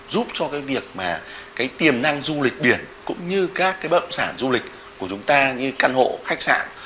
giúp cho cái việc mà cái tiềm năng du lịch biển cũng như các cái bậm sản du lịch của chúng ta như căn hộ khách sạn